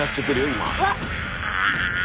今。